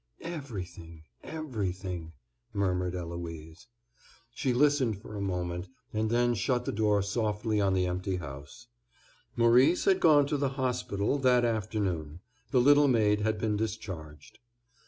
"Everything—everything," murmured Eloise. She listened for a moment, and then shut the door softly on the empty house: Maurice had gone to the hospital that afternoon; the little maid had been discharged.